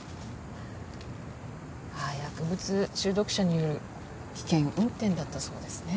薬物中毒者による危険運転だったそうですね。